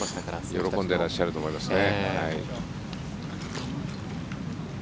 喜んでいらっしゃると思いますね。